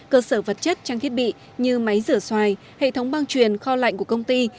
cơ sở vật chất trang thiết bị như máy rửa xoài hệ thống băng truyền kho lạnh của công ty